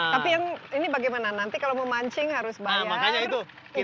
tapi yang ini bagaimana nanti kalau mau mancing harus bayar ikannya boleh di